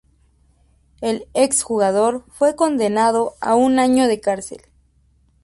El ex-jugador fue condenado a un año de cárcel.